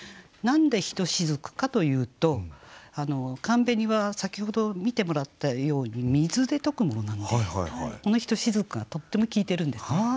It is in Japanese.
何で「ひとしずく」かというと寒紅は先ほど見てもらったように水で溶くものなのでこの「ひとしずく」がとっても効いてるんですね。